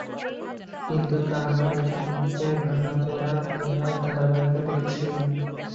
কিন্তু তাহার এসেমস্তই ভাঙাচোরা, ইহার ধারাবাহিকতা কিছুই নাই।